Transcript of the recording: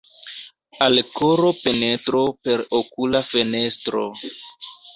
Al koro penetro per okula fenestro.